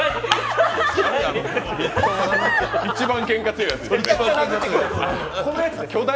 一番けんか強いやつね。